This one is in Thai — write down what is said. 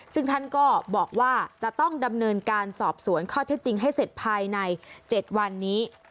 ซึ่งท่านก็บอกว่าจะต้องดำเนินการสอบสวนข้อเท็จจริงให้เสร็จภายใน๗วันนี้